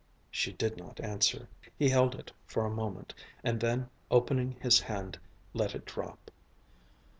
She did not answer. He held it for a moment, and then opening his hand let it drop.